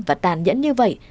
và tàn nhẫn như vậy